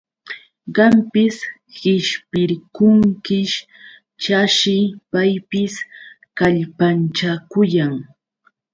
Qampis qishpirqunkish, chashi paypis kallpanchakuyan.